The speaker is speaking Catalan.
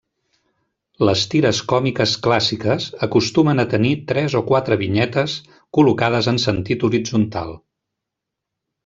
Les tires còmiques clàssiques acostumen a tenir tres o quatre vinyetes col·locades en sentit horitzontal.